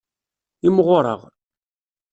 Imɣureɣ.